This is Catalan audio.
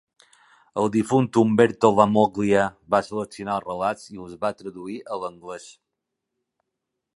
El difunt Umberto Lammoglia va seleccionar els relats i els va traduir a l'anglès.